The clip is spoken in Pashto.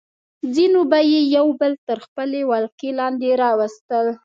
ځینو به یې یو بل تر خپلې ولکې لاندې راوستل.